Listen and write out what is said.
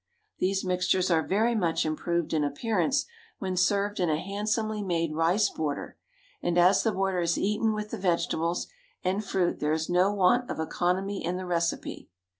These mixtures are very much improved in appearance when served in a handsomely made rice border, and as the border is eaten with the vegetables and fruit there is no want of economy in the recipe.